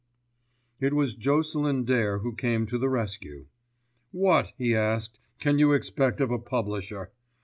It was Jocelyn Dare who came to the rescue. "What," he asked, "can you expect of a publisher?